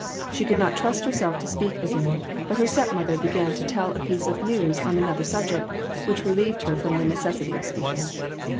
She could not trust herself to speak again, but her step mother began to tell a piece of news on another subject, which relieved her from the necessity of speaking.